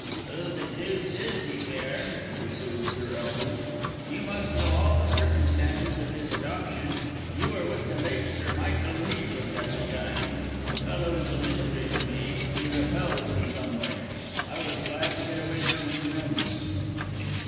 "Who the deuce is he, Cairn?" pursued Sir Elwin. "You must know all the circumstances of his adoption; you were with the late Sir Michael in Egypt at the time. The fellow is a mystery to me; he repels, in some way. I was glad to get away from his rooms."